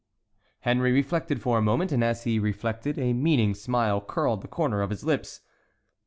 Henry reflected for a moment, and, as he reflected, a meaning smile curled the corner of his lips.